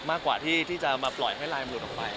มากกว่าที่จะมาปล่อยให้ลายมันหลุดออกไป